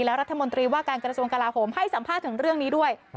และรัฐมนตรีว่าการกระทรวงกลาโหมให้สัมภาษณ์ถึงเรื่องนี้ด้วย